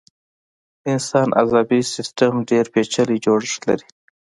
د انسان عصبي سيستم ډېر پيچلی جوړښت لري.